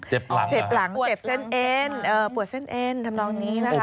เจ็บหลังเจ็บเส้นเอ็นปวดเส้นเอ็นทำนองนี้นะคะ